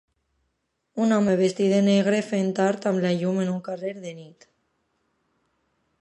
Un home vestit de negre fent art amb la llum en un carrer de nit.